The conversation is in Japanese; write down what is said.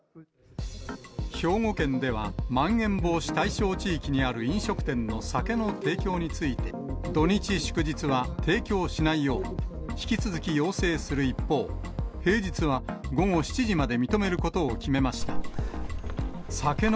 兵庫県では、まん延防止対象地域にある飲食店の酒の提供について、土日祝日は提供しないよう引き続き要請する一方、平日は午後７時まで認めることを決めました。